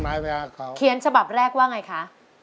จนมาเวลาเขาเขียนสบักแรกว่าไงคะ